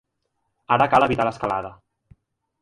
Ara cal evitar l’escalada!